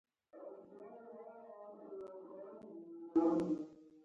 هلته کښیني والوځي خو د کعبې احترام کوي.